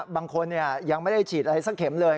บางคนยังไม่ได้ฉีดอะไรสักเข็มเลย